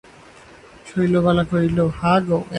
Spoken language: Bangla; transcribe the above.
শৈলবালা কহিল, হাঁ গো, এতই প্রেম!